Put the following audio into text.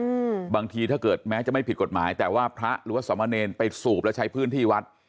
อืมบางทีถ้าเกิดแม้จะไม่ผิดกฎหมายแต่ว่าพระหรือว่าสมเนรไปสูบแล้วใช้พื้นที่วัด